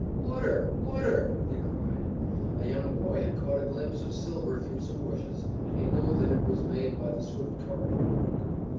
"Water! Water!" they cried. A young boy had caught a glimpse of silver through some bushes, and he knew that it was made by the swift current of a brook.